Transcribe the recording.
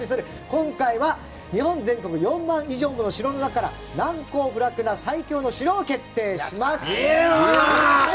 今回は日本全国４万以上ある城の中から難攻不落な最強の城を決定します。